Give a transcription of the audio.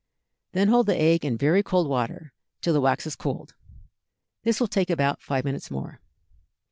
Then hold the egg in very cold water till the wax has cooled. This will take about five minutes more.